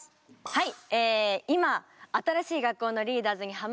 はい。